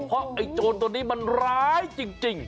เพราะไอ้โจรตัวนี้มันร้ายจริง